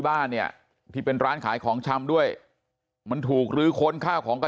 บ้านเนี่ยที่เป็นร้านขายของชำด้วยมันถูกลื้อค้นข้าวของกับ